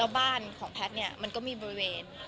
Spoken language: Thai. แล้วบ้านของแพทย์เนี่ยมันก็มีบริเวณ